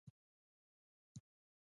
غوږونه د حق غږ خوښوي